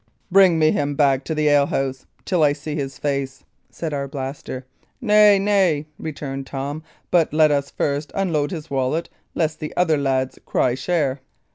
"Bring me him back into the alehouse, till I see his face," said Arblaster. "Nay, nay," returned Tom; "but let us first unload his wallet, lest the other lads cry share."